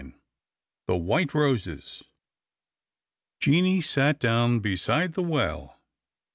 The White Roses JEANIE sat down beside the well.